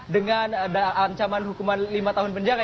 dengan ancaman hukuman lima tahun penjara